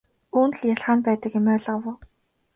Үүнд л ялгаа нь байдаг юм ойлгов уу?